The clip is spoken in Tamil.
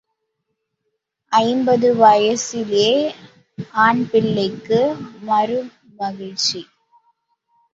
ஐம்பது வயசிலே ஆண்பிள்ளைக்கு மறு மகிழ்ச்சி.